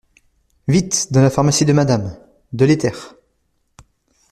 Vite ! dans la pharmacie de Madame… de l’éther !